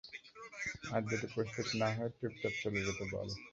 আর যদি প্রস্তুত না হয়, চুপচাপ চলে যেতে বল।